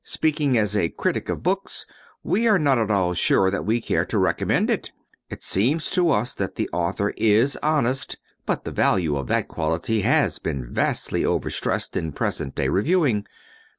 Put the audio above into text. Speaking as a critic of books, we are not at all sure that we care to recommend it. It seems to us that the author is honest, but the value of that quality has been vastly overstressed in present day reviewing.